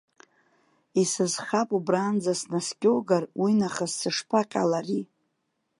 Исызхап убранӡа снаскьоугар, уинахыс сышԥаҟьалари?